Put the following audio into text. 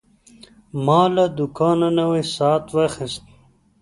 ما له دوکانه نوی ساعت واخیست.